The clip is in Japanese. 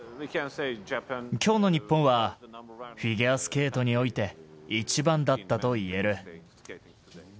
きょうの日本は、フィギュアスケートにおいて、一番だったと言える。